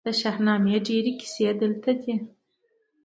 د شاهنامې ډیرې کیسې دلته دي